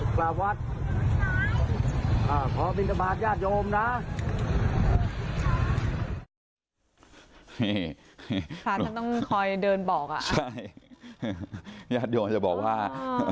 ใช่ญาติโยมันจะบอกว่า